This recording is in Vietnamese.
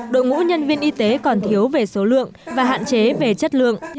đội ngũ nhân viên y tế còn thiếu về số lượng và hạn chế về chất lượng